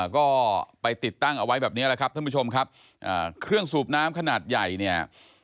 ก็ไปติดตั้งเอาไว้แบบนี้แหละครับท่านผู้ชมครับเครื่องสูบน้ำขนาดใหญ่เนี่ย